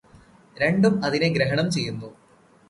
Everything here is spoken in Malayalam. രണ്ടും അതിനെ ഗ്രഹണം ചെയ്യുന്നു